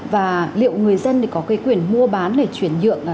và liệu người dân có cái quyền mua bán để chuyển dựng